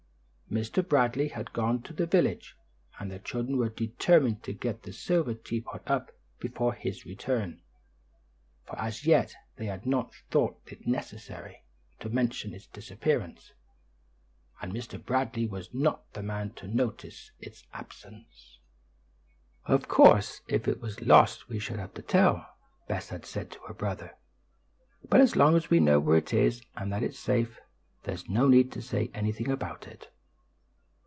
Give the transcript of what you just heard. Mr. Bradley had gone to the village, and the children were determined to get the silver teapot up before his return, for as yet they had not thought it necessary to mention its disappearance, and Mr. Bradley was not the man to notice its absence. "Of course, if it was lost we should have to tell," Bess had said to her brother; "but as long as we know where it is, and that it's safe, there's no need to say anything about it."